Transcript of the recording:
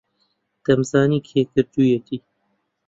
دەمزانی کێ کردوویەتی.